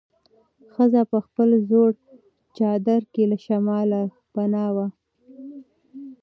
ښځه په خپل زوړ چادر کې له شماله پناه وه.